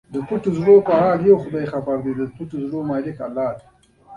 د لې لې خلک په ښکار او کښت کې ناکاره ټکنالوژي نه کاروي